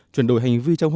chuyển đổi hành vi trong nhà